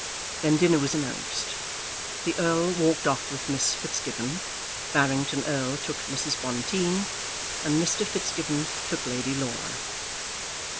Then dinner was announced. The Earl walked off with Miss Fitzgibbon, Barrington Erle took Mrs. Bonteen, and Mr. Fitzgibbon took Lady Laura.